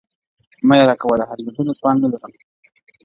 مه یې را کوه د هضمېدلو توان یې نلرم,